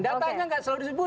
datanya gak selalu disebut